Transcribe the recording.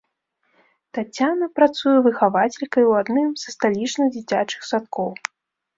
Таццяна працуе выхавацелькай ў адным са сталічных дзіцячых садкоў.